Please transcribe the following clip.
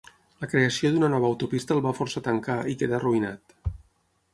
La creació d'una nova autopista el va forçar a tancar i quedà arruïnat.